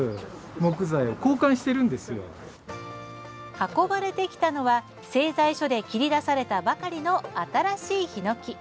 運ばれてきたのは製材所で切り出されたばかりの新しいひのき。